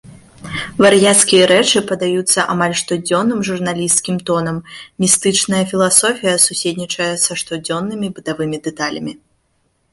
Вар'яцкія рэчы падаюцца амаль штодзённым журналісцкім тонам, містычная філасофія суседнічае са штодзённымі бытавымі дэталямі.